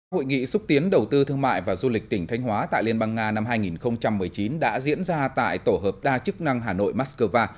hội nghị xúc tiến đầu tư thương mại và du lịch tỉnh thanh hóa tại liên bang nga năm hai nghìn một mươi chín đã diễn ra tại tổ hợp đa chức năng hà nội moscow